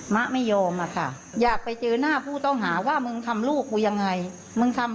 มะไม่ยอมอะค่ะอยากไปเจอหน้าผู้ต้องหาว่ามึงทำลูกกูยังไงมึงทำ